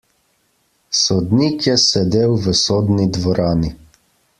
Sodnik je sedel v sodni dvorani.